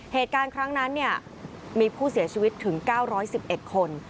เหตุการณ์ครั้งนั้นมีผู้เสียชีวิตถึง๙๑๑คน